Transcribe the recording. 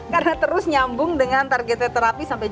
karena terus nyambung dengan targetoterapi sampai kemo